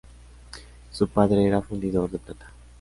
Su padre era fundidor de plata.